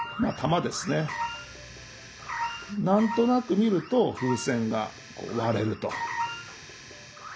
何となく見ると風船が割れると。